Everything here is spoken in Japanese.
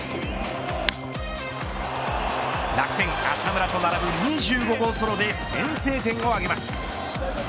楽天、浅村と並ぶ２５号ソロで先制点を挙げます。